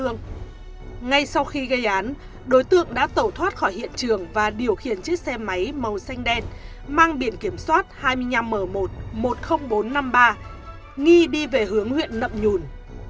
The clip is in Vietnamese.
ngay sau khi gây án đối tượng đã tẩu thoát khỏi hiện trường và điều khiển chiếc xe máy màu xanh đen mang biển kiểm soát hai mươi năm m một một mươi nghìn bốn trăm năm mươi ba nghi đi về hướng huyện nậm nhùn